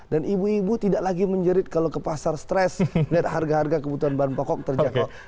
dan ibu ibu tidak lagi menjerit kalau ke pasar stres lihat harga harga kebutuhan barang pokok terjakak